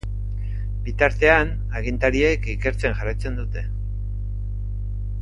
Bitartean, agintariek ikertzen jarraitzen dute.